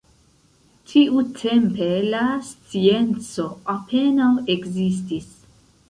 Tiutempe la scienco apenaŭ ekzistis.